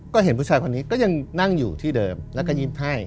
ก็เห็นผู้ชายคนนี้ก็ยังนั่งอยู่ที่เดิมแล้วก็ยิ้มให้